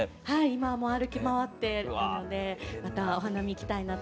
今はもう歩き回っているのでまたお花見行きたいなと思ってます。